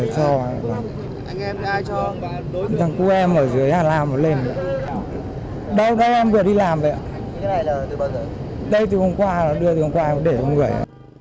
trong quá trình làm nhiệm vụ đã phát hiện một người đàn ông mang theo ma túy đá trong người